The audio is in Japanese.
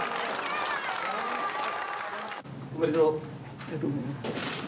ありがとうございます。